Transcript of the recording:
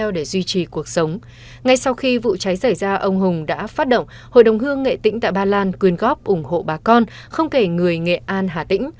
ông hùng đã phát động hội đồng hương nghệ tĩnh tại ba lan quyên góp ủng hộ bà con không kể người nghệ an hà tĩnh